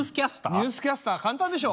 ニュースキャスター簡単でしょ。